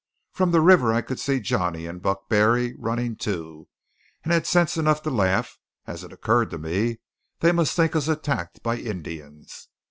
From the river I could see Johnny and Buck Barry running, too, and had sense enough to laugh as it occurred to me they must think us attacked by Indians.